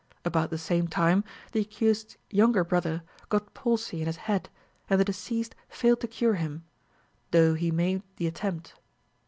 About the same time, the accused's younger brother got palsy in his head, and the deceased failed to cure him, though he made the attempt."